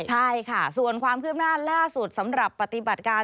ใช่ค่ะส่วนความคืบหน้าล่าสุดสำหรับปฏิบัติการ